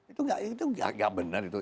itu gak benar itu